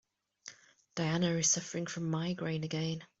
Diana is suffering from migraine again.